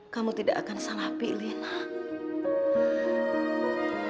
kamu tidak akan salah pilih nast